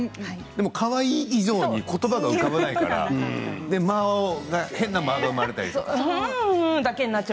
でもかわいい以上に言葉が浮かばないから変な間が生まれたり。